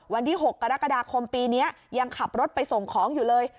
วันที่๖กรกฎาคมปีนี้ยังขับรถไปส่งของอยู่เลย